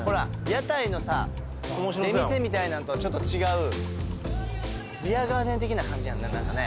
屋台のさ出店みたいなんとはちょっと違うビアガーデン的な感じやんななんかね